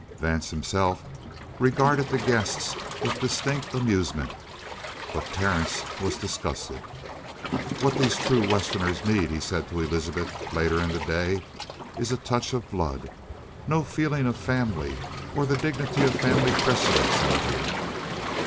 Vance himself regarded the guests with distinct amusement. But Terence was disgusted. "What these true Westerners need," he said to Elizabeth later in the day, "is a touch of blood. No feeling of family or the dignity of family precedents out here."